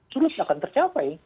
sudah akan tercapai